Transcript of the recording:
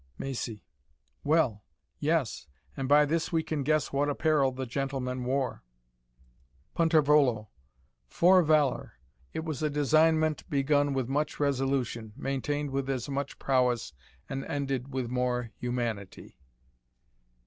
"Maci. Well! yes; and by this we can guess what apparel the gentleman wore. "Punt. 'Fore valour! it was a designment begun with much resolution, maintained with as much prowess, and ended with more humanity."